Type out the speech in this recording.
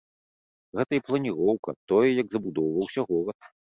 Гэта і планіроўка, тое, як забудоўваўся горад.